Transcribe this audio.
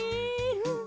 うん。